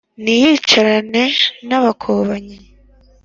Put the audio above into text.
Ntiyicarane n’abakobanyi.